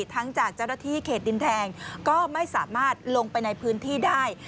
ทั้งจากเจ้าหน้าที่เขตดินแดงก็ไม่สามารถลงไปในพื้นที่ได้